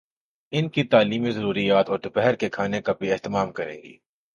ان کی تعلیمی ضروریات اور دوپہر کے کھانے کا بھی اہتمام کریں گی۔